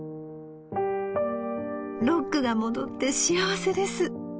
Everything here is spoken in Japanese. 『ろっくが戻って幸せです。